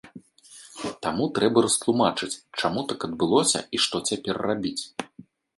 Таму трэба растлумачыць, чаму так адбылося і што цяпер рабіць.